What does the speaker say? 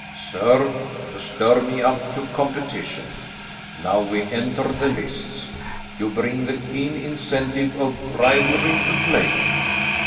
"Sir, you stir me up to competition. Now we enter the lists. You bring the keen incentive of rivalry into play."